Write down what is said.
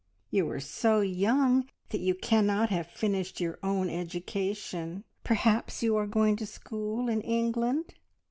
You are so young that you cannot have finished your own education. Perhaps you are going to school in England?"